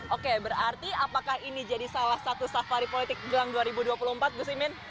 oke berarti apakah ini jadi salah satu safari politik jelang dua ribu dua puluh empat gus imin